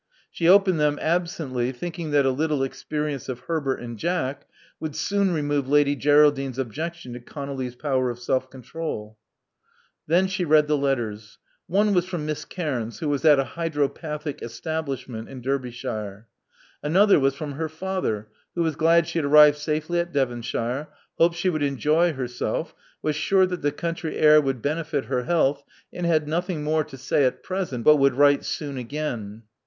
She opened them absently, thinking that a little experience of Herbert and Jack would soon remove Lady Geraldine 's objec tion to ConoUy's power of self control. Then she read the letters. One was from Miss Cairns, who was at a hydropathic establishment in Derbyshire. Another was from her father, who was glad she had arrived safely at Devonshire ; hoped she would enjoy herself; was sure that the country air would benefit her health ; and had nothing more to say at present but would write soon again.